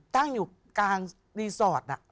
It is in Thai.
ตั้งอยู่กลางรีสอร์ท